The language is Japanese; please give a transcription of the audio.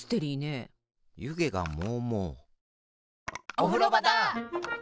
おふろばだ！